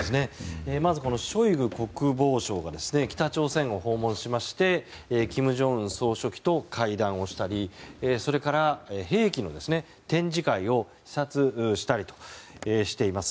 まずショイグ国防相が北朝鮮を訪問しまして金正恩総書記と会談をしたりそれから、兵器の展示会を視察したりとしています。